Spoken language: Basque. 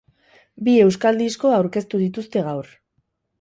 Bi euskal disko aurkeztu dituzte gaur.